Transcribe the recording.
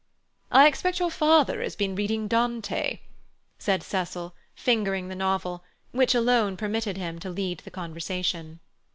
"I expect your father has been reading Dante," said Cecil, fingering the novel, which alone permitted him to lead the conversation.